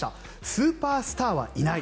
スーパースターはいない。